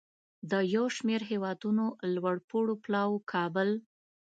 د یو شمیر هیوادونو لوړپوړو پلاوو کابل